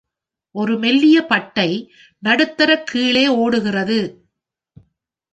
ஒரு மெல்லிய பட்டை நடுத்தர கீழே ஓடுகிறது.